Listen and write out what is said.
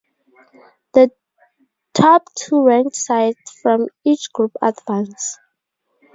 The top two ranked sides from each group advance.